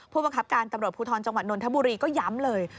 ผู้บังคับการตำรวจภูทรจังหวัดนนทบุรีก็ย้ำเลย